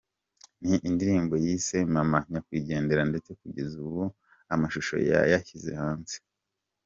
Ni indirimbo yise “Mama Nyakwigendera” ndetse kugeza ubu amashusho yayashyize hanze.